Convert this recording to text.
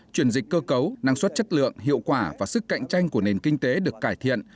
chuyển dịch cơ cấu năng suất chất lượng hiệu quả và sức cạnh tranh của nền kinh tế được cải thiện